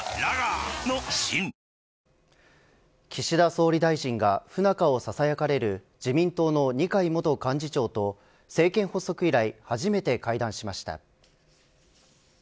岸田総理大臣が不仲をささやかれる自民党の二階元幹事長と政権発足以来初めて会談しました。